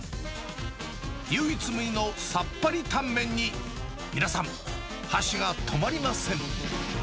唯一無二のさっぱりタンメンに、皆さん、箸が止まりません。